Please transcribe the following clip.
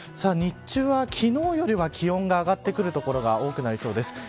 日中は、昨日よりは気温が上がってくる所が多くなりそうです。